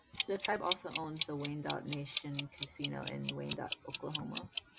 The tribe also owns the Wyandotte Nation Casino in Wyandotte, Oklahoma.